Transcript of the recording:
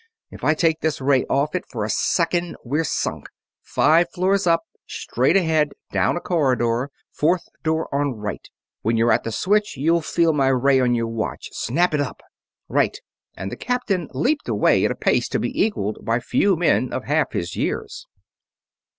If I take this ray off it for a second we're sunk. Five floors up, straight ahead down a corridor fourth door on right. When you're at the switch you'll feel my ray on your watch. Snap it up!" "Right," and the captain leaped away at a pace to be equalled by few men of half his years.